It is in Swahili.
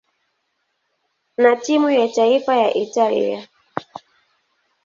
na timu ya taifa ya Italia.